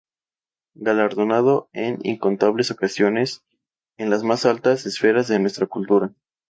Galardonado en incontables ocasiones en las más altas esferas de nuestra cultura.